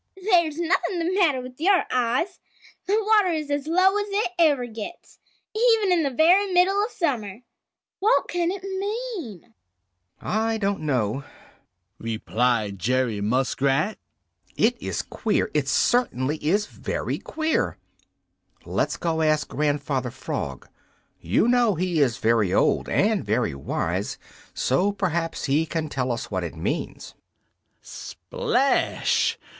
"There's nothing the matter with your eyes. The water is as low as it ever gets, even in the very middle of summer. What can it mean?" "I don't know," replied Jerry Muskrat. "It is queer! It certainly is very queer! Let's go ask Grandfather Frog. You know he is very old and very wise, so perhaps he can tell us what it means." Splash!